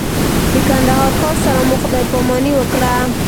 د کندهار ښار سره مو خدای پاماني وکړه.